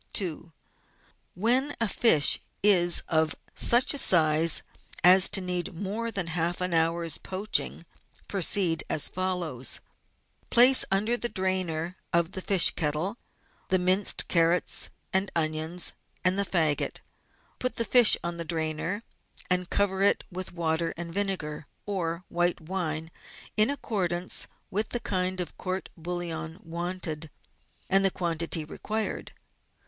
F 66 GUIDE TO MODERN COOKERY 2. When a fish is of such a size as to need more than half an hour's poaching, proceed as follows: — Place under the drainer of the fish kettle the minced carrots and onions and the faggot; put the fish on the drainer, and cover it with water and vinegar, or white wine, in accordance with the kind of court bouillon wanted and the quantity required.